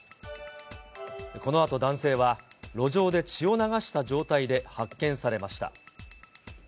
このあと、男性は路上で血を流した状態で発見されました。